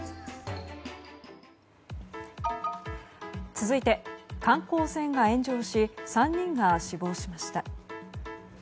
続いて、観光船が炎上し３人が死亡しました。